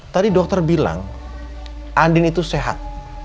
tadi dokter bilang andin itu sehat